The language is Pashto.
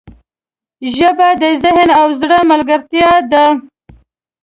ژبه د ذهن او زړه ملګرتیا ده